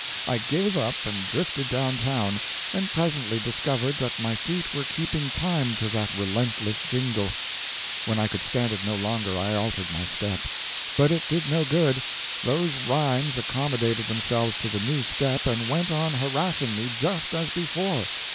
I gave up and drifted down town, and presently discovered that my feet were keeping time to that relentless jingle. When I could stand it no longer I altered my step. But it did no good; those rhymes accommodated themselves to the new step and went on harassing me just as before.